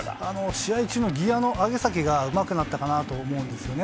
試合中のギアの上げ下げがうまくなったかなと思うんですよね。